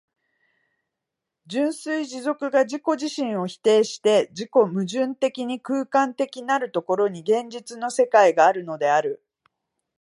純粋持続が自己自身を否定して自己矛盾的に空間的なる所に、現実の世界があるのである。